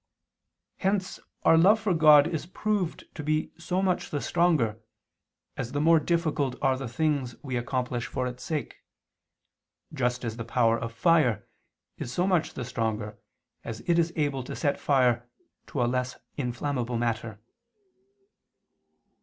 Hence our love for God is proved to be so much the stronger, as the more difficult are the things we accomplish for its sake, just as the power of fire is so much the stronger, as it is able to set fire to a less inflammable matter.